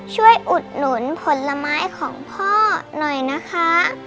อุดหนุนผลไม้ของพ่อหน่อยนะคะ